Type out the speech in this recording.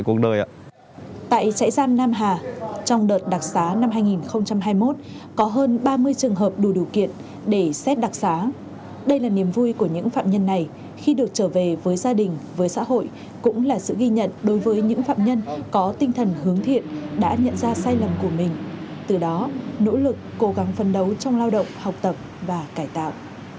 trong thời gian nam hà trong đợt đặc sá năm hai nghìn hai mươi một có hơn ba mươi trường hợp đủ điều kiện để xét đặc sá đây là niềm vui của những phạm nhân này khi được trở về với gia đình với xã hội cũng là sự ghi nhận đối với những phạm nhân có tinh thần hướng thiện đã nhận ra sai lầm của mình từ đó nỗ lực cố gắng phân đấu trong lao động học tập và cải tạo